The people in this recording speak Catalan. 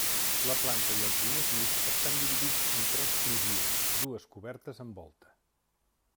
La planta i el primer pis estan dividits en tres crugies, dues cobertes amb volta.